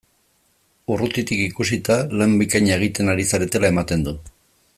Urrutitik ikusita, lan bikaina egiten ari zaretela ematen du!